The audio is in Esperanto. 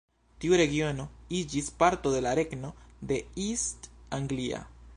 Tiu regiono iĝis parto de la regno de East Anglia.